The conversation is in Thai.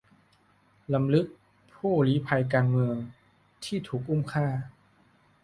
รำลึกผู้ลี้ภัยการเมืองที่ถูกอุ้มฆ่า